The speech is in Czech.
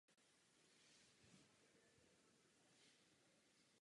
Na sever se otevírá Široká dolina.